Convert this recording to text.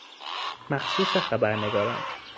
مخصوص خبرنگاران